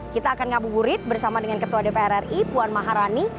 kita akan ngabuburit bersama dengan ketua dpr ri puan maharani